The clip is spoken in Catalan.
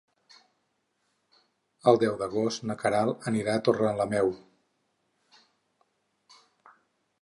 El deu d'agost na Queralt anirà a Torrelameu.